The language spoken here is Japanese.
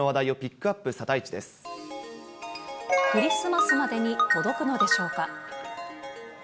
クリスマスまでに届くのでしょうか。